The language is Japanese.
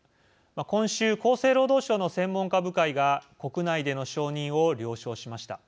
今週、厚生労働省の専門家部会が国内での承認を了承しました。